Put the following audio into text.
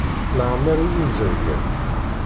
Leɛmeṛ i wen-zerrgen?